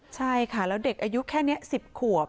ใช่ค่ะแล้วเด็กอายุแค่นี้๑๐ขวบ